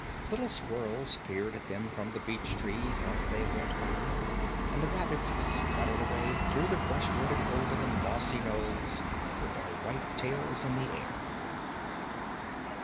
Little squirrels peered at them from the beech trees as they went by, and the rabbits scudded away through the brushwood and over the mossy knolls, with their white tails in the air.